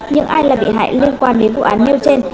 những ai là bị hại liên quan đến vụ án nêu trên